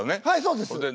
はいそうです。